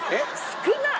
少なっ！